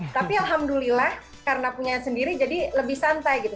tapi alhamdulillah karena punya sendiri jadi lebih santai gitu